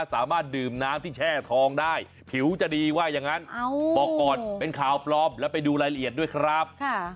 สามารถดื่มน้ำที่แช่ทองได้ผิวจะดีว่าอย่างนั้นบอกก่อนเป็นข่าวปลอมแล้วไปดูรายละเอียดด้วยครับ